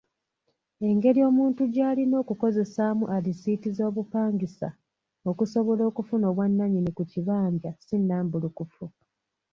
Engeri omuntu gy'alina okukozesaamu alisiiti z’obupangisa okusobola okufuna obwannannyini ku kibanja si nnambulukufu.